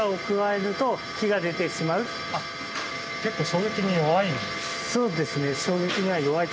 結構衝撃に弱い？